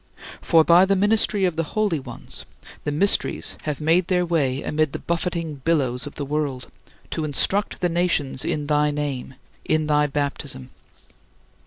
For, by the ministry of thy holy ones, thy mysteries have made their way amid the buffeting billows of the world, to instruct the nations in thy name, in thy Baptism.